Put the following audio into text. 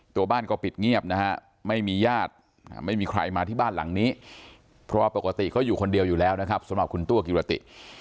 ตัวบ้านก็ปิดเงียบนะฮะไม่มีญาติไม่มีใครมาที่บ้านหลังนี้เพราะว่าปกติก็อยู่คนเดียวอยู่แล้วนะครับสำหรับคุณตัวกิรติ